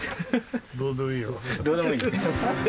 どうでもいいよ。